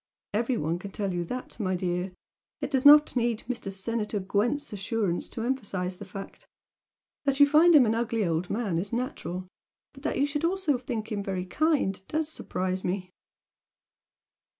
Every one can tell you that, my dear! It does not need Mr. Senator Gwent's assurance to emphasise the fact! That you find him an ugly old man is natural but that you should also think him 'very kind' DOES surprise me!"